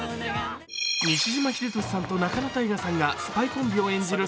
西島秀俊さんと仲野太賀さんがスパイコンビを演じる